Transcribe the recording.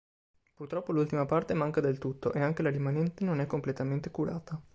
Purtroppo l'ultima parte manca del tutto e anche la rimanente non è completamente curata.